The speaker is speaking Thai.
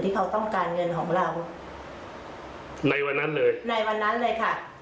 เขาต้องการเงินของเราในวันนั้นเลยในวันนั้นเลยค่ะ